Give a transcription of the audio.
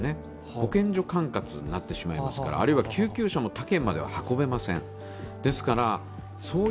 保健所管轄になってしまう、あるいは救急車も他県に運べません。